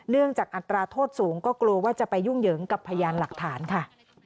จากอัตราโทษสูงก็กลัวว่าจะไปยุ่งเหยิงกับพยานหลักฐานค่ะ